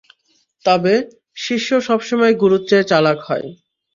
তবে শিষ্য সবসময় গুরুর চেয়ে চালাক হয়।